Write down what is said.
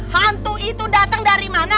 hantu itu datang dari mana